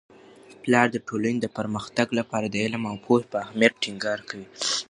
پلار د ټولنې د پرمختګ لپاره د علم او پوهې په اهمیت ټینګار کوي.